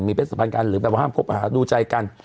เพศสัมพันธ์กันหรือแบบว่าห้ามคบหาดูใจกัน